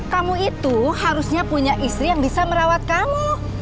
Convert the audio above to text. kamu itu harusnya punya istri yang bisa merawat kamu